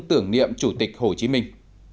tưởng niệm chủ tịch hồ chí minh